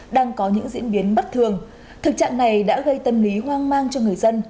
đang có những diễn biến bất thường thực trạng này đã gây tâm lý hoang mang cho người dân